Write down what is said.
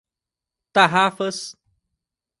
Tarrafas